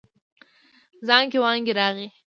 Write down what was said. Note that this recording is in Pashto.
زانګې وانګې راغی.